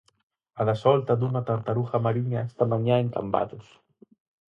A da solta dunha tartaruga mariña esta mañá en Cambados.